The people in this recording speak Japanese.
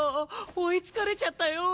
追いつかれちゃったよ！